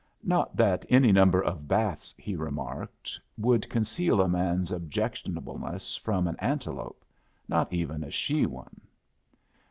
"Not that any number of baths," he remarked, "would conceal a man's objectionableness from an antelope not even a she one."